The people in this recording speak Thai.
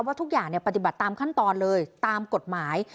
ทุกอย่างปฏิบัติตามขั้นตอนเลยตามกฎหมาย